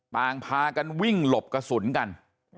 พากันวิ่งหลบกระสุนกัน